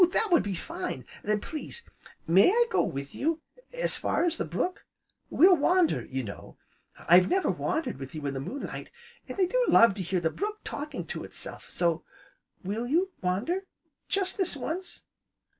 that would be fine! Then, please, may I go with you as far as the brook? We'll wander, you know, I've never wandered with you in the moonlight, an' I do love to hear the brook talking to itself, so will you wander jest this once?"